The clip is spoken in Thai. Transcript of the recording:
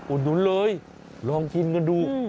หนุนเลยลองกินกันดู